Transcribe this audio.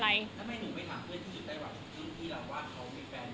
ทำไมหนูไม่หักเพื่อนที่อยู่ไตรวันที่เราว่าเขามีแฟนไมโครโซล